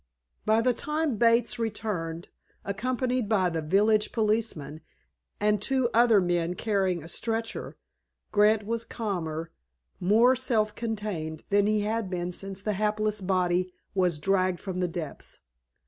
By the time Bates returned, accompanied by the village policeman, and two other men carrying a stretcher, Grant was calmer, more self contained, than he had been since that hapless body was dragged from the depths.